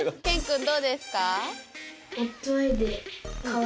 ＫＥＮくんどうですか？